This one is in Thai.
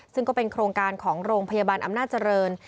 ซึ่งก็เป็นโครงการของโรงพยาบาลอำนาจเจริญ